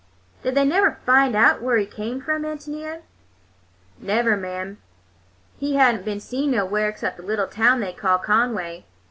Did they never find out where he came from, Ántonia?" "Never, mam. He had n't been seen nowhere except in a little town they call Conway.